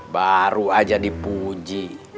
baru aja dipuji